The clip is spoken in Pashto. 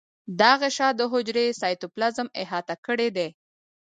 دا غشا د حجرې سایتوپلازم احاطه کړی دی.